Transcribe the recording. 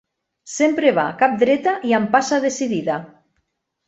Sempre va capdreta i amb passa decidida.